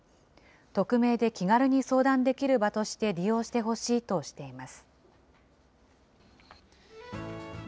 匿名で気軽に相談できる場として、利用してほしいとしています。